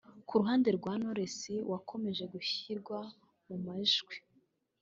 Ku ruhande rwa Knowless wakomeje gushyirwa mu majwi